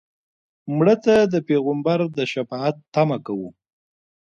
مړه ته د پیغمبر د شفاعت تمه کوو